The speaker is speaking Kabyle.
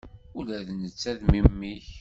Ula d netta d memmi-k.